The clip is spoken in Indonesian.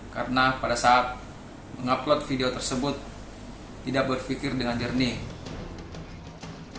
karena pada saat mengupload video tersebut tidak berpikir dengan jernih